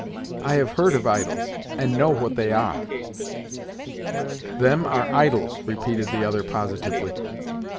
I have heard of idols, and know what they are." "Them are idols!" repeated the other, positively.